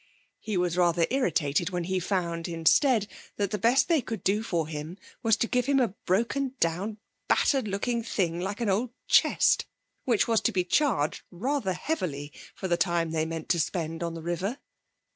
He was rather irritated when he found instead that the best they could do for him was to give him a broken down, battered looking thing like an old chest, which was to be charged rather heavily for the time they meant to spend on the river.